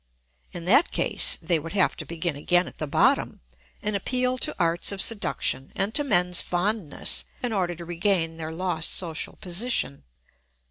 In that case they would have to begin again at the bottom and appeal to arts of seduction and to men's fondness in order to regain their lost social position.